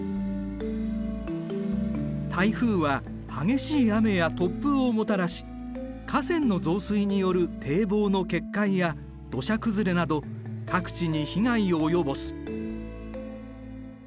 台風は激しい雨や突風をもたらし河川の増水による堤防の決壊や土砂崩れなど各地に被害を及ぼす。